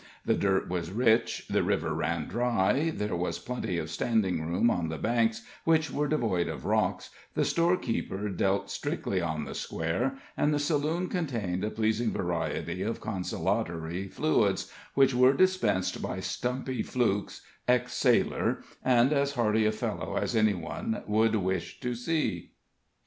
The dirt was rich, the river ran dry, there was plenty of standing room on the banks, which were devoid of rocks, the storekeeper dealt strictly on the square, and the saloon contained a pleasing variety of consolatory fluids, which were dispensed by Stumpy Flukes, ex sailor, and as hearty a fellow as any one would ask to see.